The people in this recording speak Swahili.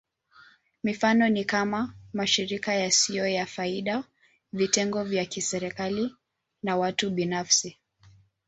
Mifano ni kama: mashirika yasiyo ya faida, vitengo vya kiserikali, na watu binafsi.